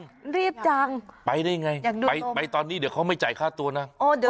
ก็ยิบจังไปด้วยไงไปตอนนี้เดี๋ยวเขาไม่จ่ายค่าตัวนะ